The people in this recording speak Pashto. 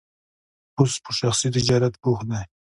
اوس په شخصي تجارت بوخت دی.